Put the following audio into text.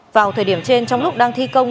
vào thời điểm trên trong lúc đang thi công